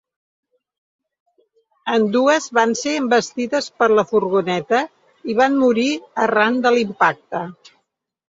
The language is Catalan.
Ambdues van ser envestides per la furgoneta i van morir arran de l’impacte.